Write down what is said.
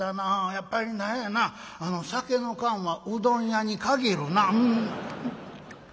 やっぱり何やな酒の燗はうどん屋に限るな」。